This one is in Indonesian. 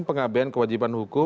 pengabaian kewajiban hukum